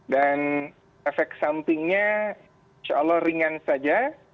dan efek sampingnya insya allah ringan saja